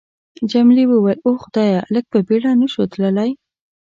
جميلې وويل:: اوه خدایه، لږ په بېړه نه شو تللای؟